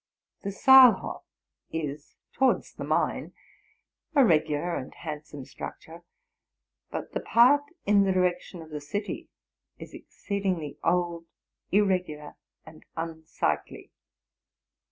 The Saalhof is, towards the Main, a regular and hand some structure ; but the part in the direction of the city is 172 TRUTH AND FICTION exceedingly old, irregular, and unsightly.